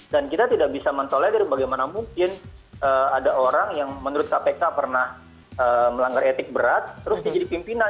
dan kita tidak bisa mentolegari bagaimana mungkin ada orang yang menurut kpk pernah melanggar etik berat terus menjadi pimpinan